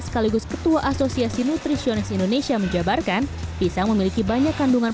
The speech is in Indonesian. sekaligus ketua asosiasi nutrisionis indonesia menjabarkan pisang memiliki banyak kandungan